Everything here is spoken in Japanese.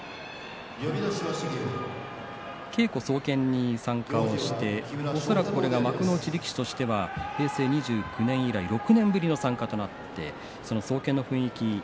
稽古総見に参加して幕内力士としては平成２９年以来６年ぶりの参加となって総見の雰囲気